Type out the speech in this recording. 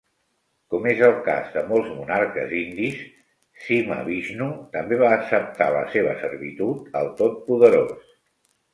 Com és el cas de molts monarques indis, Simhavishnu també va acceptar la seva servitud al Tot Poderós.